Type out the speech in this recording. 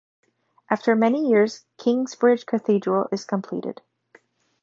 After many years, Kingsbridge cathedral is completed.